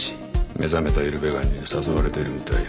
目覚めたイルベガンに誘われてるみたいで。